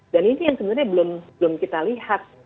dan ini yang sebenarnya belum kita lihat